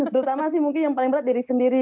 terutama sih mungkin yang paling berat diri sendiri